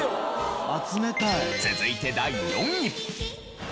続いて第４位。